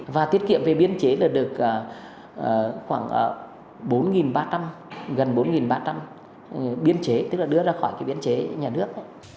và tiết kiệm về biên chế là được khoảng bốn ba trăm gần bốn ba trăm linh biên chế tức là đưa ra khỏi biên chế nhà nước